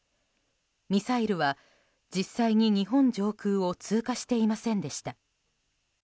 ミサイルは実際に日本上空を通過していませんでした。